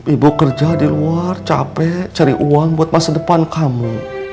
ibu kerja di luar capek cari uang buat masa depan kamu